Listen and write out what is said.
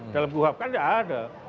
dalam kuhap kan tidak ada